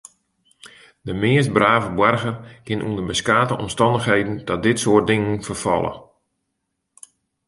De meast brave boarger kin ûnder beskate omstannichheden ta dit soart dingen ferfalle.